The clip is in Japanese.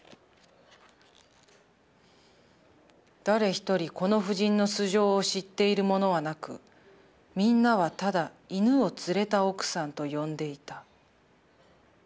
「誰一人この夫人の素性を知っている者はなくみんなはただ『犬を連れた奥さん』と呼んでいた」。